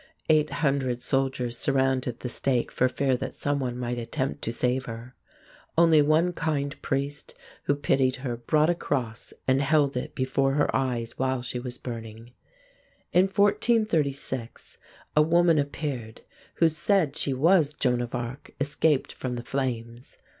Eight hundred soldiers surrounded the stake for fear that someone might attempt to save her. Only one kind priest who pitied her brought a cross and held it before her eyes while she was burning. In 1436 a woman appeared who said she was Joan of Arc escaped from the flames.